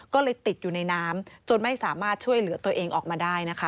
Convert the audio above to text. ก็เลยติดอยู่ในน้ำจนไม่สามารถช่วยเหลือตัวเองออกมาได้นะคะ